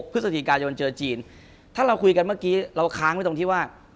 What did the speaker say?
พฤศจิกายนเจอจีนถ้าเราคุยกันเมื่อกี้เราค้างไว้ตรงที่ว่า